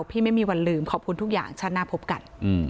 ไม่มีวันลืมขอบคุณทุกอย่างชาติหน้าพบกัน